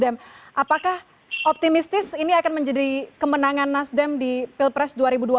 apakah optimistis ini akan menjadi kemenangan nasdem di pilpres dua ribu dua puluh